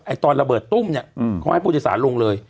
ตอนระเบิดตุ้มเนี่ยเขาให้ผู้โดยสารลงเลย